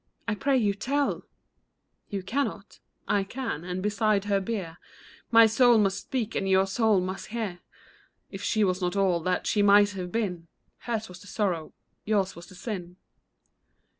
I pray you tell ! You cannot ? I can ; and beside her bier My soul must speak and your soul must hear. If she was not all that she might have been. Hers was the sorrow, yours the sin.